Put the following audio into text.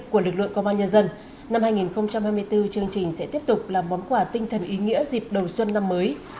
của lực lượng công an nhân dân năm hai nghìn hai mươi bốn chương trình sẽ tiếp tục là món quà tinh thần ý nghĩa dịp đầu xuân năm mới